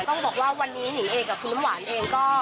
ต้องบอกว่าวันนี้หนิงเองกับคุณน้ำหวานเองก็